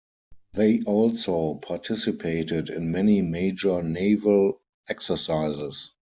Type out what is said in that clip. They also participated in many major naval exercises.